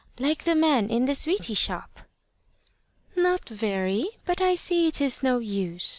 Like the man in the sweety shop." "Not very. But I see it is no use.